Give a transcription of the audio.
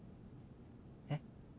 えっ？